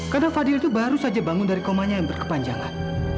karena fadil itu baru saja bangun dari komanya yang berkepanjangan